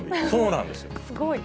すごい。